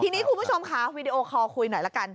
ทีนี้คุณผู้ชมค่ะวีดีโอคอลคุยหน่อยละกัน